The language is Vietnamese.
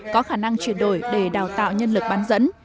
có khả năng chuyển đổi để đào tạo nhân lực bán dẫn